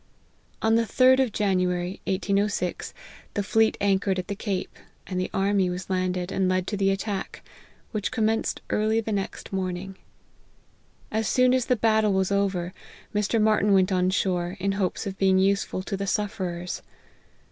On the third of January 1806, the fleet anchored it the cape, and the army was landed, and led to he attack, which commenced early the next morn ng. As soon as the battle was over, Mr. Martyn went on shore, in hopes of being useful to the suf "erers.